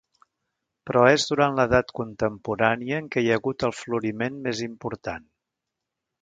Però és durant l'edat contemporània en què hi ha hagut el floriment més important.